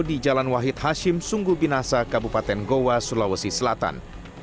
di jalan wahid hashim sungguh binasa kabupaten goa sulawesi selatan